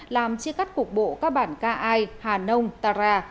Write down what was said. làm chia cắt cục bộ các bản ca ai hà nông ta ra